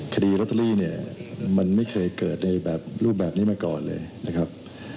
คดีลอตเตอรี่เนี่ยมันไม่เคยเกิดในแบบรูปแบบนี้มาก่อนเลยนะครับ